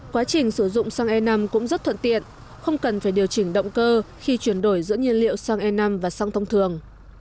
quá trình sử dụng xăng e năm cũng rất thuận tiện không cần phải điều chỉnh động cơ khi chuyển đổi giữa nhiên liệu sang e năm và xăng thông thường